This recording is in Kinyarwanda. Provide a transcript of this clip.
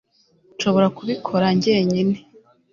Nshobora kubikora njyenyine